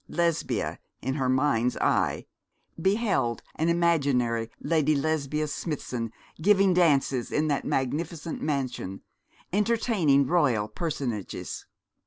Lesbia, in her mind's eye, beheld an imaginary Lady Lesbia Smithson giving dances in that magnificent mansion, entertaining Royal personages.